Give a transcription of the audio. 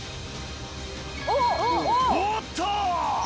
おっと！